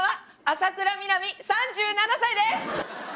浅倉南、３７歳です。